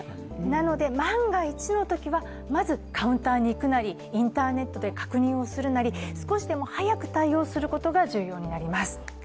なので万が一のときはまずカウンターに行くなり、インターネットで確認をするなり少しでも早く対応することが重要になります。